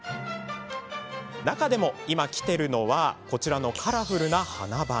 中でも、今きてるのはこちらのカラフルな花々。